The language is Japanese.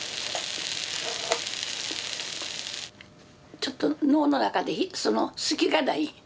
ちょっと脳の中でその隙がない。